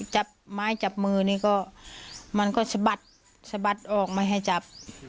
จับไม้จับมือนี่ก็มันก็สะบัดสะบัดออกไม่ให้จับ